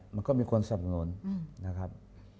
มันก็มีคนสับสนุนนะครับ